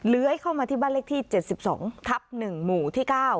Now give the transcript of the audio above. เข้ามาที่บ้านเลขที่๗๒ทับ๑หมู่ที่๙